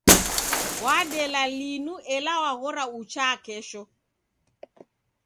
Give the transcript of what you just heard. Wadela linu ela waghora uchaa kesho.